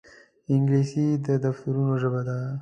انګلیسي د دفترونو ژبه ده